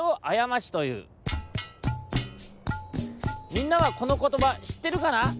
みんなはこのことばしってるかな？